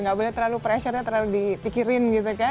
gak boleh terlalu pressure nya terlalu dipikirin gitu kan